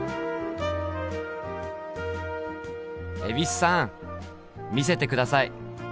蛭子さん見せて下さい。